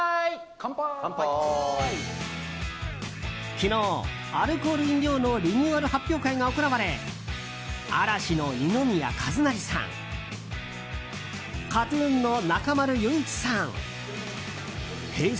昨日、アルコール飲料のリニューアル発表会が行われ嵐の二宮和也さんＫＡＴ‐ＴＵＮの中丸雄一さんＨｅｙ！